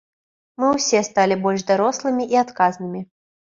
Мы ўсе сталі больш дарослымі і адказнымі.